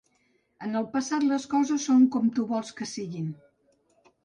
En el passat les coses són com tu vols que siguin.